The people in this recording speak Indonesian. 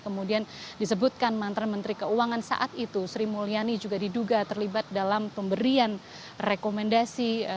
kemudian disebutkan mantan menteri keuangan saat itu sri mulyani juga diduga terlibat dalam pemberian rekomendasi